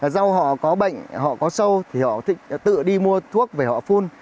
rau họ có bệnh họ có sâu thì họ tự đi mua thuốc về họ phun